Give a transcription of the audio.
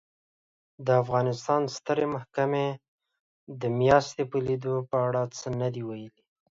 د افغانستان سترې محکمې د میاشتې لیدو په اړه څه نه دي ویلي